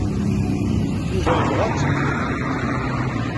Yuba yebɣa ad temmtem.